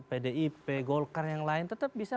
pdip golkar yang lain tetap bisa